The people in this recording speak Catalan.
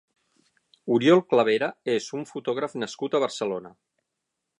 Oriol Clavera és un fotògraf nascut a Barcelona.